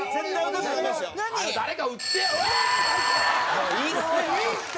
もういいって！